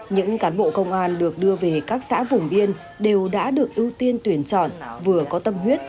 những cán bộ công an được đưa về các xã vùng biên đều đã được ưu tiên tuyển chọn vừa có tâm huyết